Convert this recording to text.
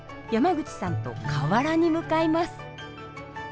山口さんと河原に向かいます。